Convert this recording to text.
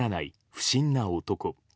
不審な男。